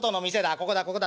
ここだここだ。